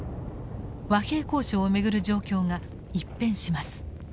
和平交渉を巡る状況が一変します。